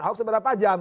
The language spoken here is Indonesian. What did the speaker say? ahok seberapa jam